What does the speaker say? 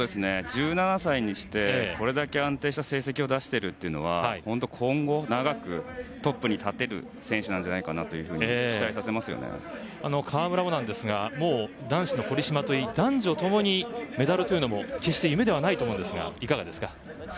１７歳にしてこれだけ安定した成績を出しているというのは今後、長くトップに立てる選手じゃないかと川村もそうですが男子の堀島といい男女共にメダルというのも決して夢ではないと思いますがいかがですか？